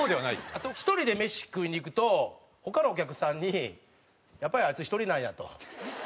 あと１人で飯食いに行くと他のお客さんにやっぱりあいつ１人なんやと。